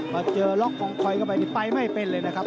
มาเจอล็อกกองคอยเข้าไปนี่ไปไม่เป็นเลยนะครับ